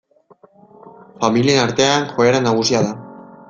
Familien artean joera nagusia da.